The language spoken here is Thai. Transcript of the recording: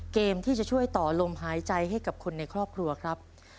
เกมที่จะช่วยต่อลมหายใจให้กับคนในครอบครัวครับ